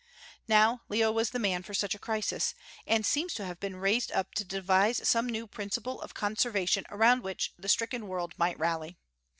Now Leo was the man for such a crisis, and seems to have been raised up to devise some new principle of conservation around which the stricken world might rally.